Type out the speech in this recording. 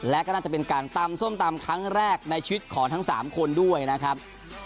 และก็น่าจะเป็นการตำส้มตำครั้งแรกในชีวิตของทั้ง๓คนด้วยนะครับ